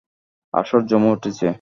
আসর জমে উঠছে।